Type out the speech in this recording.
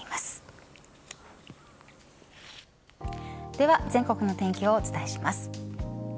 では全国のお天気をお伝えします。